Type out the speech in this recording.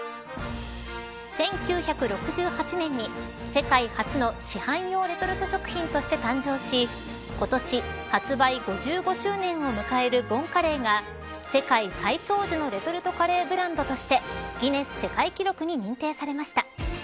１９６８年に世界初の市販用レトルト食品として誕生し今年発売５５周年を迎えるボンカレーが世界最長寿のレトルトカレーブランドとしてギネス世界記録に認定されました。